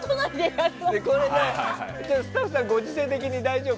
スタッフさんご時世的に大丈夫？